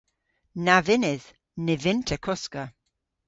Na vynnydh. Ny vynn'ta koska.